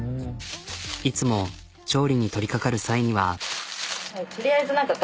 いつも調理に取りかかる際には。